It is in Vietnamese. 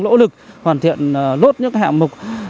lỗ lực hoàn thiện lốt những hạng mục